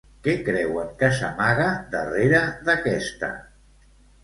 Què creuen que s'amaga darrere d'aquesta?